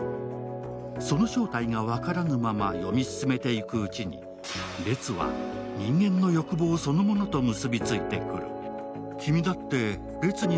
その正体が分からぬまま読み進めていくうちに列は、人間の欲望そのものと結びついてくる。